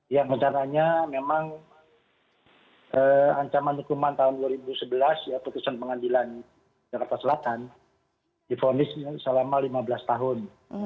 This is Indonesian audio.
yang rencananya memang ancaman hukuman tahun dua ribu sebelas ya putusan pengadilan jakarta selatan difonis selama lima belas tahun